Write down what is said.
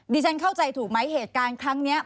ฉันเข้าใจถูกไหมเหตุการณ์ครั้งนี้